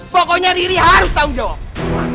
pokoknya diri harus tanggung jawab